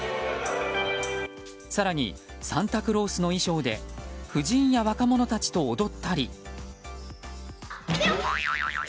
更にサンタクロースの衣装で夫人や若者たちと踊ったり。